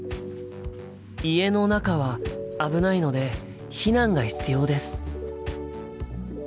家の中は危ないので避難が必要です。